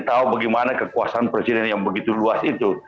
kita tahu bagaimana kekuasaan presiden yang begitu luas itu